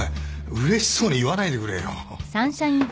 うれしそうに言わないでくれよ。